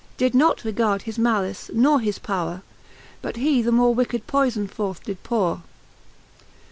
Did nought regard his malice nor his powre. But he the more his wicked poyfon forth did poure.